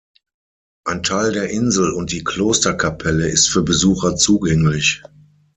Ein Teil der Insel und die Klosterkapelle ist für Besucher zugänglich.